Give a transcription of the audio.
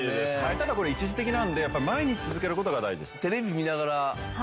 ただこれ一時的なのでやっぱ毎日続ける事が大事です。